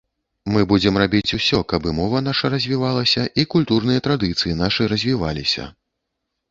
Мы будзем рабіць усё, каб і мова наша развівалася, і культурныя традыцыі нашы развіваліся.